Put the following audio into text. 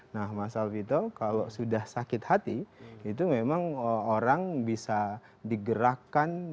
nah mas alvito kalau sudah sakit hati itu memang orang bisa digerakkan